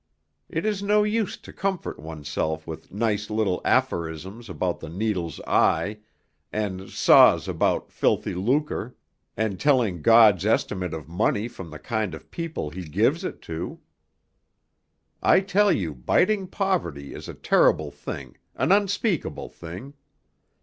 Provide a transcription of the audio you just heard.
It is no use to comfort oneself with nice little aphorisms about the needle's eye, and saws about filthy lucre, and telling God's estimate of money from the kind of people He gives it to; I tell you biting poverty is a terrible thing, an unspeakable thing.